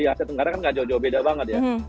di asia tenggara kan gak jauh jauh beda banget ya